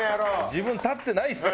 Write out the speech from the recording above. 自分たってないですよ！